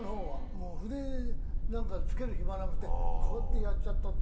もう筆なんかつける暇なくてこうやってやっちゃったぐらい。